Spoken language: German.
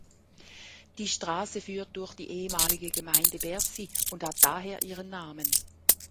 Die Straße führt durch die ehemalige Gemeinde Bercy und hat daher ihren Namen.